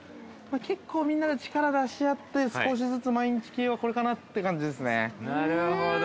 結構みんなで力を出し合って、少しずつ毎日系は、これかなという感じですね。